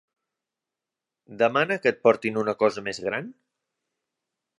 Demana que et portin una cosa més gran?